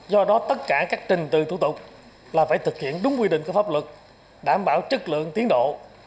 do đó tất cả các trình từ thủ tục là phải thực hiện đúng quy định của pháp luật đảm bảo chất lượng tiến độ